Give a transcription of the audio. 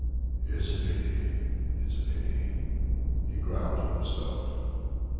"It's a pity, a pity!" he growled to himself.